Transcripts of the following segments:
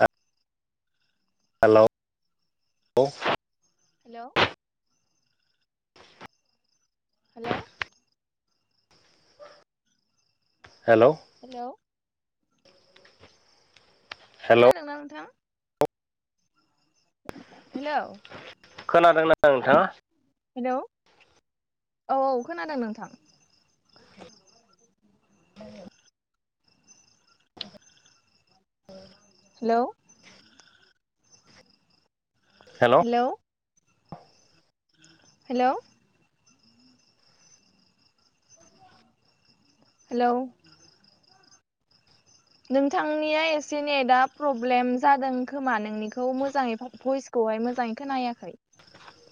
आ hello hello hello hello hello hello खोनादोंना नोंथां हेलौ खोनादों ना नोंथाङा हेलौ औ औ खोनादों नोंथां औ hello hello hello hello hello नोंथांनिया एसे नेता प्रब्लेम जादों खोमा नोंनिखौ मोजाङै भइस खौहाय मोजाङै खोनायाखै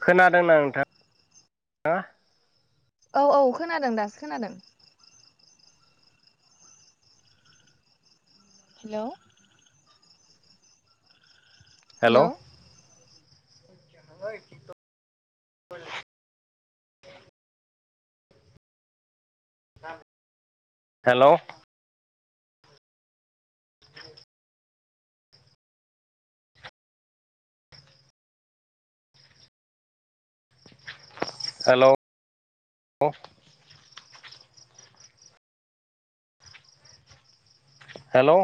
खोनादोंना नोंथां हो औ औ खोनादों दासो खोनादों हेलौ हेलौ न [inaudible] हेलौ [inaudible] हेलौ हेलौ